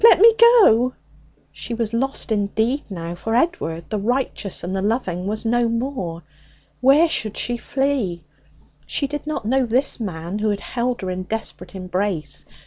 let me go!' She was lost indeed now. For Edward, the righteous and the loving, was no more. Where should she flee? She did not know this man who held her in desperate embrace.